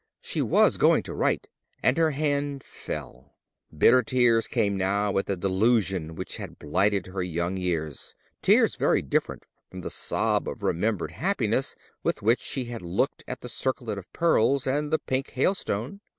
She was going to write, and her hand fell. Bitter tears came now at the delusion which had blighted her young years, tears very different from the sob of remembered happiness with which she had looked at the circlet of pearls and the pink hailstone.